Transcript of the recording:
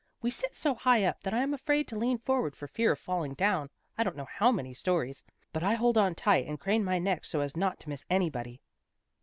We sit so high up that I am afraid to lean forward for fear of falling down, I don't know how many stories, but I hold on tight, and crane my neck so as not to miss anybody."